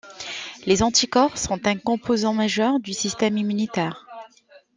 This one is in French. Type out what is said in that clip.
Les anticorps sont un composant majeur du système immunitaire.